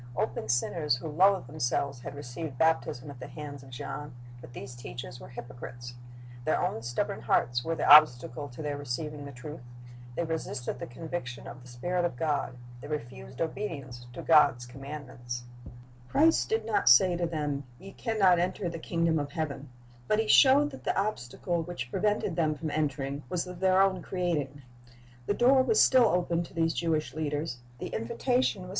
Open sinners who loathed themselves had received baptism at the hands of John; but these teachers were hypocrites. Their own stubborn hearts were the obstacle to their receiving the truth. They resisted the conviction of the Spirit of God. They refused obedience to God's commandments. Christ did not say to them. Ye can not enter the kingdom of heaven ; but He showed that the obstacle which prevented them from entering was of their own creating. The door was still open to these Jewish leaders; the invitation was still the Spirit of God like a dove rested upon Him."